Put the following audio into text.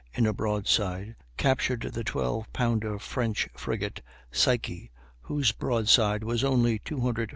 in a broadside, captured the 12 pounder French frigate Psyché, whose broadside was only 246 lbs.